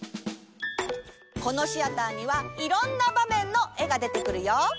このシアターにはいろんなばめんのえがでてくるよ。